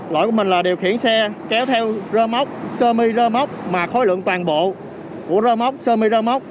loại của mình là điều khiển xe kéo theo rơ móc sơ mi rơ móc mà khối lượng toàn bộ của rơ móc sơ mi rơ móc